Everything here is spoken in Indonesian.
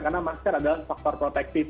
karena masker adalah faktor protektif